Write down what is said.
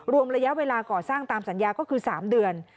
รวมระยะเวลาก่อสร้างตามสัญญาก็คือ๓เดือน